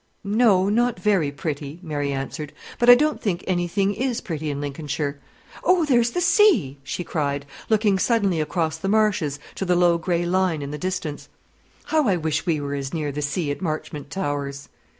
"No, not very pretty," Mary answered; "but I don't think any thing is pretty in Lincolnshire. Oh, there's the sea!" she cried, looking suddenly across the marshes to the low grey line in the distance. "How I wish we were as near the sea at Marchmont Towers!"